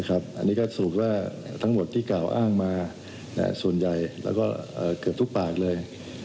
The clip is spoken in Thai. อันนี้ก็สรุปว่าทั้งหมดที่กล่าวอ้างมาส่วนใหญ่แล้วก็เกือบทุกปากเลย